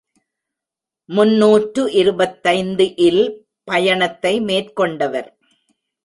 முன்னூற்று இருபத்தைந்து இல் பயணத்தை மேற் கொண்டவர்.